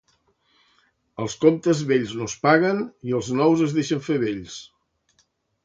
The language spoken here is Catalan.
Els comptes vells no es paguen i els nous es deixen fer vells.